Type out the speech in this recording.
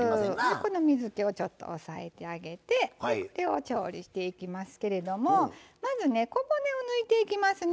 この水けをちょっと抑えてあげて調理していきますけれどもまずね小骨を抜いていきますね。